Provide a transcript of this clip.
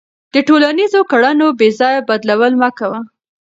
د ټولنیزو کړنو بېځایه بدلول مه کوه.